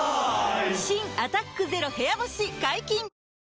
新「アタックＺＥＲＯ部屋干し」解禁‼